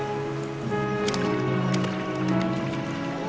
お！